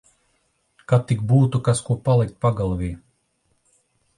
Kad tik būtu kas ko palikt pagalvī.